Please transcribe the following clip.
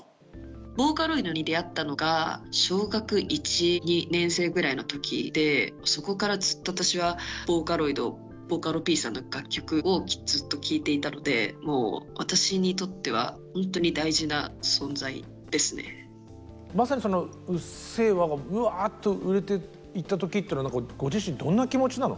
ボーカロイドに出会ったのが小学１２年生ぐらいの時でそこからずっと私はボーカロイドボカロＰさんの楽曲をずっと聴いていたのでまさにその「うっせぇわ」がうわっと売れていった時っていうのはご自身どんな気持ちなの？